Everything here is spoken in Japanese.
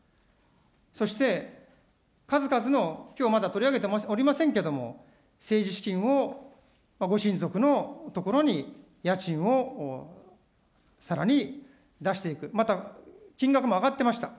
そして、数々の、きょうまだ取り上げておりませんけれども、政治資金をご親族のところに家賃をさらに出していく、また、金額もあがってました。